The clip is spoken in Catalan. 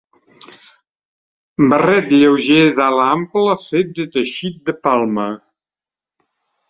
Barret lleuger d'ala ampla fet de teixit de palma.